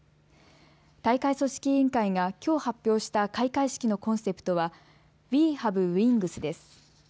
大会組織委員会がきょう発表した開会式のコンセプトはＷＥＨＡＶＥＷＩＮＧＳです。